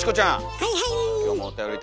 はいはい。